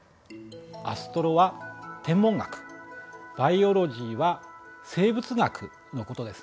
「アストロ」は天文学「バイオロジー」は生物学のことですね。